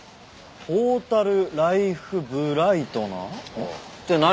「トータル・ライフ・ブライトナー」って何？